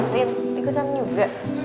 rin ikutan juga